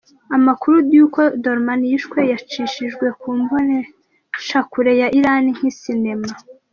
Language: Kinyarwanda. Amakuru yuko Darmani yishwe yacishijwe ku mboneshakure ya Irani nk'isinema.